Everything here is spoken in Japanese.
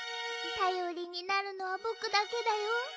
たよりになるのはぼくだけだよ。